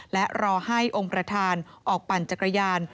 และรอให้องค์ประธานออกปั่นจักรยาน